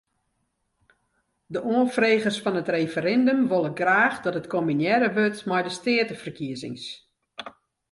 De oanfregers fan it referindum wolle graach dat it kombinearre wurdt mei de steateferkiezings.